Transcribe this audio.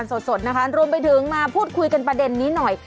สดนะคะรวมไปถึงมาพูดคุยกันประเด็นนี้หน่อย